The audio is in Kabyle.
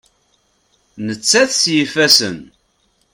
Nettat s yifassen.